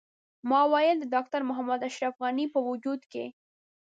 ما ویل د ډاکټر محمد اشرف غني په وجود کې.